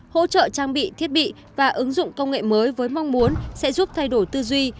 hỗ trợ trang bị thiết bị và ứng dụng công nghệ mới với mong muốn sẽ giúp thay đổi tư duy